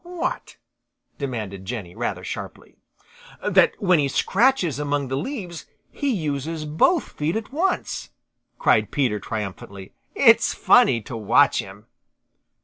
"What?" demanded Jenny rather sharply. "That when he scratches among the leaves he uses both feet at once," cried Peter triumphantly. "It's funny to watch him."